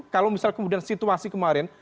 kalau misal kemudian situasi kemarin